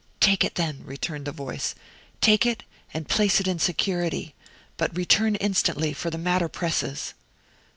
"Take it, then," returned the voice, "take it, and place it in security; but return instantly, for the matter presses."